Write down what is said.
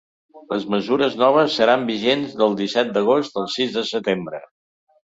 Les mesures noves seran vigents del disset d’agost al sis de setembre.